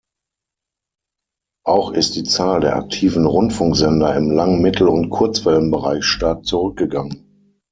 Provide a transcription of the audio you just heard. Auch ist die Zahl der aktiven Rundfunksender im Lang-, Mittel- und Kurzwellenbereich stark zurückgegangen.